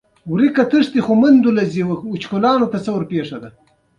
د ګولایي شعاع درې سوه پنځوس متره ده